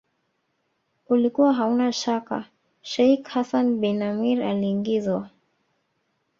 ulikuwa hauna shaka Sheikh Hassan bin Amir aliingizwa